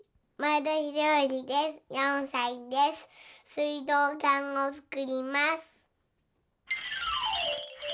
すいどうかんをつくります。